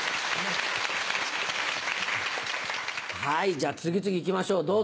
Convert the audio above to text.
はいじゃあ次々行きましょう